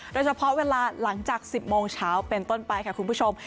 เวลาหลังจาก๑๐โมงเช้าเป็นต้นไปค่ะคุณผู้ชม